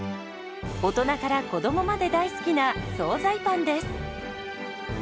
大人から子どもまで大好きな総菜パンです。